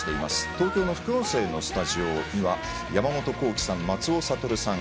東京の副音声のスタジオには山本幸輝さん、松尾諭さん